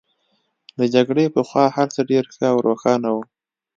له جګړې پخوا هرڅه ډېر ښه او روښانه وو